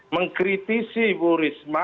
mengkritisi ibu risma